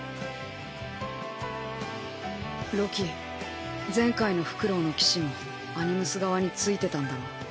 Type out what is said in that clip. ロキ前回のフクロウの騎士もアニムス側に付いてたんだろう？